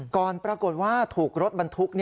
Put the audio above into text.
ปรากฏว่าถูกรถบรรทุก